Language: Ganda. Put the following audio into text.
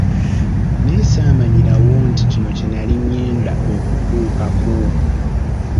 Naye saamanyirawo nti kino kye nnali ngenda okutuukako.